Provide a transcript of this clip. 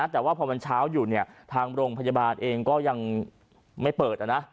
แต่พอมันเช้าอยู่เนี่ยทางบรมพยาบาลเองยังไม่เปิดอ่ะนะ